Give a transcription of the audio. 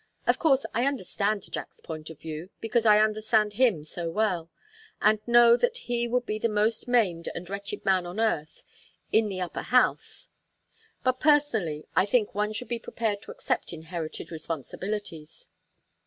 Of course I understand Jack's point of view, because I understand him so well, and know that he would be the most maimed and wretched man on earth in the Upper House; but personally, I think one should be prepared to accept inherited responsibilities."